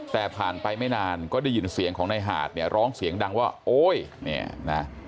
แต่ผ่านไปไม่นานก็ได้ยินเสียงของนายหาดเนี่ยร้องเสียงดังว่าโอ๊ยเนี่ยนะ